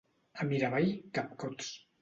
A Miravall, capcots.